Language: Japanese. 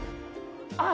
「あっ！